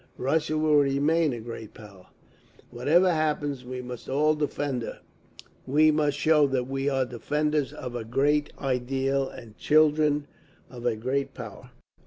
Russia will remain a great power, whatever happens. We must all defend her, we must show that we are defenders of a great ideal, and children of a great power."